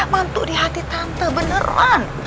mantu di hati tante bener bener